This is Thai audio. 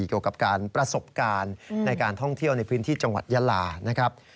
เกี่ยวกับการประสบการณ์ในการท่องเที่ยวในพื้นที่จังหวัดยาลานะครับ